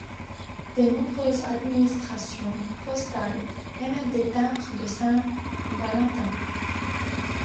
De nombreuses administrations postales émettent des timbres de Saint-Valentin.